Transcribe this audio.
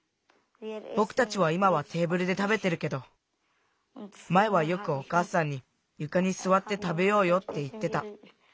ぼくたちはいまはテーブルでたべてるけどまえはよくおかあさんに「ゆかにすわってたべようよ」っていってた。